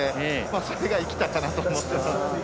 それが生きたかなと思ってます。